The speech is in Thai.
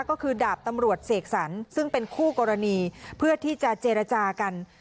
ก็คือดาบตำรวจเสกสรรซึ่งเป็นคู่กรณีเพื่อที่จะเจรจากัน